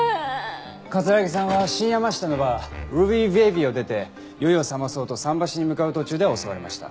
城さんは新山下のバーＲＵＢＹＢＡＢＹを出て酔いをさまそうと桟橋に向かう途中で襲われました。